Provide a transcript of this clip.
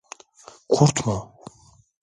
Kurt mu?